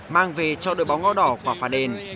mang về cho đội bóng ngó đỏ quả phá đền